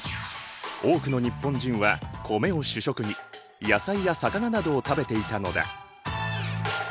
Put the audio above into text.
多くの日本人は米を主食に野菜や魚などを食べていたのだ。